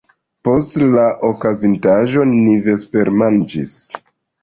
Post la okazintaĵo, ni vespermanĝis.